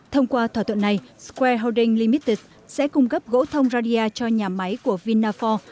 thông qua thỏa thuận này square holdings ltd sẽ cung cấp gỗ thông radia cho nhà máy của vinafor